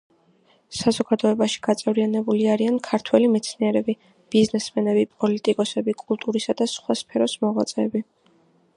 საზოგადოებაში გაწევრიანებული არიან ქართველი მეცნიერები, ბიზნესმენები, პოლიტიკოსები, კულტურისა და სხვა სფეროს მოღვაწეები.